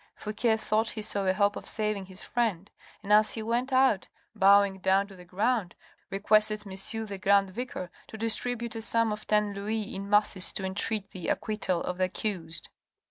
Fouque thought he saw a hope of saving his friend, and as he went out, bowing down to the ground, requested M. the grand vicar, to distribute a sum of ten louis in masses to entreat the acquittal of the accused.